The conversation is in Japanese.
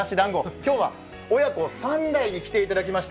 今日は親子３代で来ていただきました。